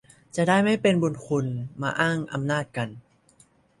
จะได้ไม่เป็นบุญคุณมาอ้างอำนาจกัน